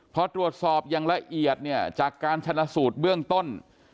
พอตรวจสอบอย่างละเอียดเนี่ยจากการชนะสูตรเบื้องต้น